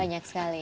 banyak sekali ya